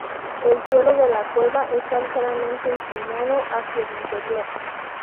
El suelo de la cueva está ligeramente inclinado hacia el interior.